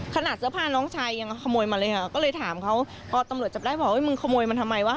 ขนาดเสื้อผ้าน้องชายยังขโมยมาเลยค่ะก็เลยถามเขาพอตำรวจจับได้บอกมึงขโมยมันทำไมวะ